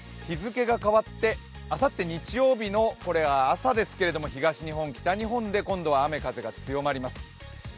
更に、日付が変わってあさって日曜日の朝ですけども、東日本、北日本で今度は雨風が強まります。